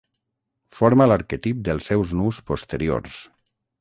Forma l'arquetip dels seus nus posteriors.